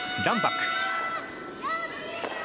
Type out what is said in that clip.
ランバック。